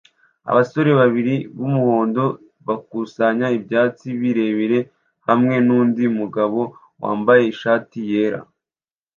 Abasore babiri b'umuhondo bakusanya ibyatsi birebire hamwe nundi mugabo wambaye ishati yera